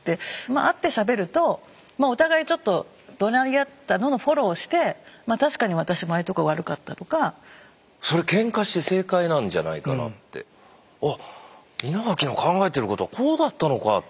会ってしゃべるとお互いちょっとどなり合ったのをフォローをして「確かに私もああいうとこ悪かった」とか。それケンカして正解なんじゃないかなって。「あっ稲垣の考えてることはこうだったのか」って。